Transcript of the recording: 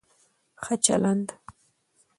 ښه چلند